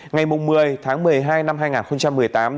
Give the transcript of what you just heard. ngày một mươi tháng một mươi hai năm hai nghìn một mươi tám